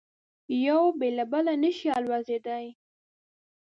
یو بې له بله نه شي الوزېدای.